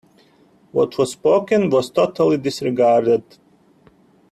What was spoken was totally disregarded.